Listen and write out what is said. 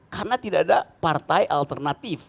karena tidak ada partai alternatif